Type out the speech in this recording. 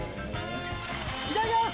いただきます。